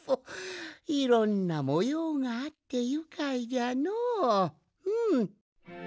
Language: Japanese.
いろんなもようがあってゆかいじゃのううん。